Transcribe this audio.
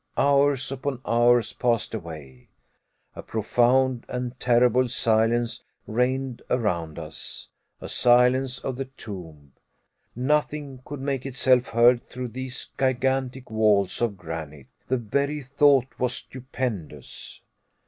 Hours upon hours passed away. A profound and terrible silence reigned around us a silence of the tomb. Nothing could make itself heard through these gigantic walls of granite. The very thought was stupendous.